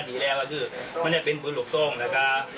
จิดแล้วและก็เป็นหน่อย